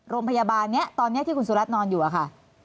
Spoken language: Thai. โรงพยาบาลนี้ตอนนี้ที่คุณสุรัตนนอนอยู่อะค่ะ